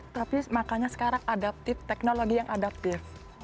tapi makanya sekarang adaptif teknologi yang adaptif